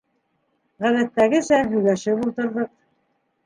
Ғәҙәттәгесә, һөйләшеп ултырҙыҡ.